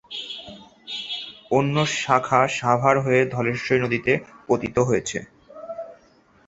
অন্য শাখা সাভার হয়ে ধলেশ্বরী নদীতে পতিত হয়েছে।